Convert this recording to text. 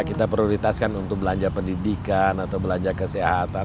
kita prioritaskan untuk belanja pendidikan atau belanja kesehatan